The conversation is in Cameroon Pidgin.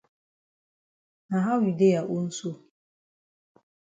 Na how you dey ya own so?